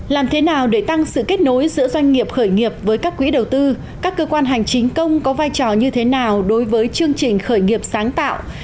làm thế nào để tăng sự kết nối giữa doanh nghiệp khởi nghiệp với các quỹ đầu tư các cơ quan hành chính công có vai trò như thế nào đối với chương trình khởi nghiệp sáng tạo